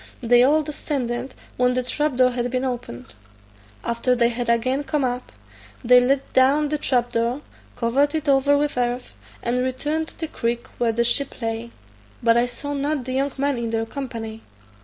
They all descended when the trap door had been opened. After they had again come up, they let down the trap door, covered it over with earth, and returned to the creek where the ship lay, but I saw not the young man in their company.